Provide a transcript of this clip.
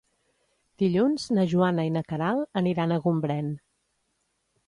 Dilluns na Joana i na Queralt aniran a Gombrèn.